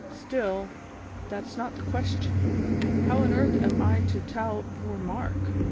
Still, that's not the question. How on earth am I to tell poor Mark?